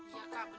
iya kak bener kak